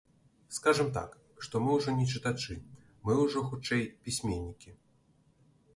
Скажам так, што мы ўжо не чытачы, мы ўжо, хутчэй, пісьменнікі.